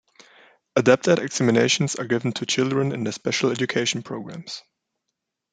Adapted examinations are given to children in the special education programs.